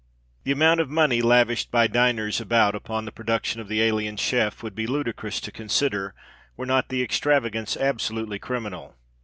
The amount of money lavished by diners about upon the productions of the alien chef would be ludicrous to consider, were not the extravagance absolutely criminal.